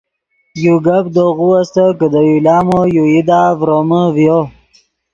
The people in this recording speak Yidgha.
یو گپ دے غو استت کہ دے یو لامو یو ایدا ڤرومے ڤیو